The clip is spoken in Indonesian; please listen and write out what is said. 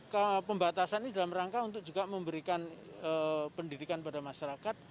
karena pembatasan ini dalam rangka untuk juga memberikan pendidikan pada masyarakat